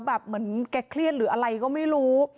เหมือนแกเครียดหรืออะไรก็ไม่รู้